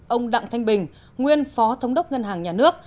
ông đặng thanh bình nguyên phó thống đốc ngân hàng nhà nước